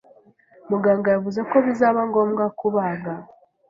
Muganga yavuze ko bizaba ngombwa kubaga.